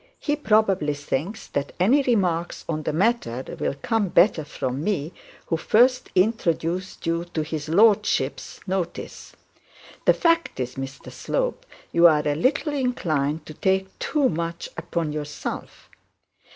He probably thinks that any remarks on the matter will come better from me, who first introduced you to his lordship's notice. The fact is, Mr Slope, you are a little inclined to take too much upon yourself.'